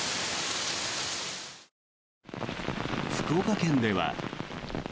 福岡県では。